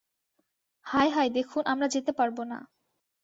হায় হায় দেখুন, আমরা যেতে পারব না।